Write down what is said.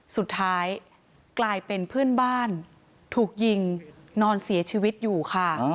สุดท้ายกลายเป็นเพื่อนบ้านถูกยิงนอนเสียชีวิตอยู่ค่ะ